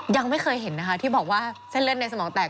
ยังไม่เคยเห็นนะคะที่บอกว่าเส้นเลือดในสมองแตก